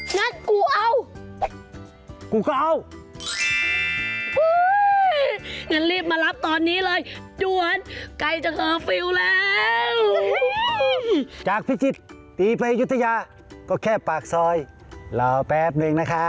จากพิจิตรตีไปอยุธยาก็แค่ปากซอยรอแป๊บหนึ่งนะครับ